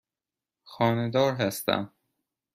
خانه دار هستم.